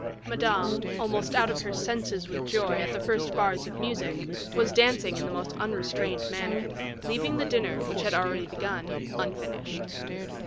Madame, almost out of her senses with joy at the first bars of music, was dancing in the most unrestrained manner, leaving the dinner, which had been already begun, unfinished.